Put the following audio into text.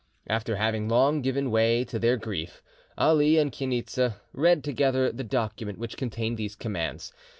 After having long given way to their grief, Ali and Chainitza read together the document which contained these commands.